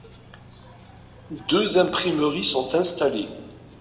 Deux imprimeries sont installées.